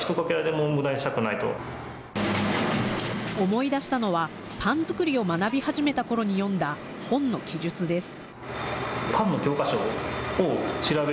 思い出したのは、パン作りを学び始めたころに読んだ本の記述です。